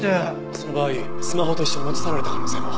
その場合スマホと一緒に持ち去られた可能性も。